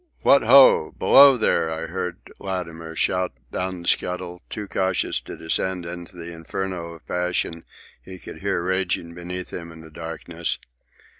"What ho! below there!" I heard Latimer shout down the scuttle, too cautious to descend into the inferno of passion he could hear raging beneath him in the darkness.